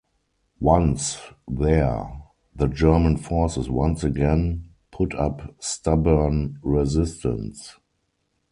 Once there the German forces once again put up stubborn resistance.